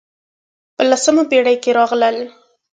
په لسمه پېړۍ کې راغلل.